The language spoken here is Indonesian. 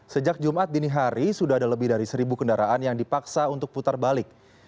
sejak jumat dini hari sudah ada lebih dari seribu kendaraan yang dipaksa untuk putar balik